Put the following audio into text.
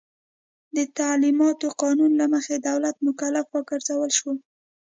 د تعلیماتو قانون له مخې دولت مکلف وګرځول شو.